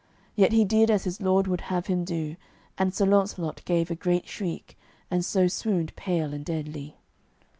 Yet he did as his lord would have him do, and Sir Launcelot gave a great shriek, and so swooned pale and deadly.